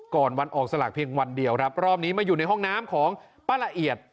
ก่อนวันออกสลากเพียงวันเดียวครับรอบนี้มาอยู่ในห้องน้ำของป้าละเอียด